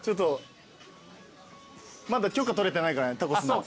まだ許可取れてないからねタコスの。